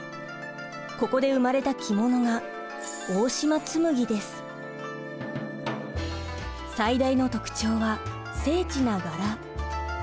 ここで生まれた着物が最大の特徴は精緻な柄。